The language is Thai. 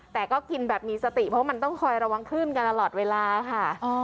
แต่ก็กินแบบมีสติเพราะมันต้องคอยระวังขึ้นกันตลอดเวลาค่ะ